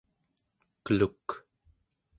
keluk